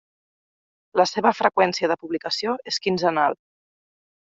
La seva freqüència de publicació és quinzenal.